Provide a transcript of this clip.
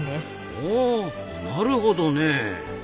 ほうなるほどね。